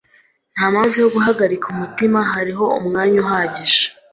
Nta mpamvu yo guhagarika umutima. Hariho umwanya uhagije.